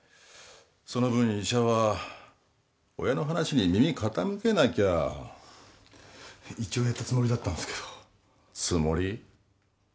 その分医者は親の話に耳傾けなきゃ一応やったつもりでしたがつもり？